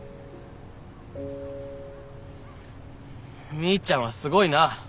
みーちゃんはすごいな。